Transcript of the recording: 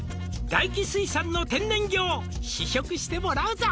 「大起水産の天然魚を試食してもらうぞ」